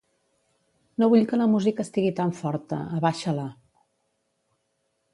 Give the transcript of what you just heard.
No vull que la música estigui tan forta, abaixa-la.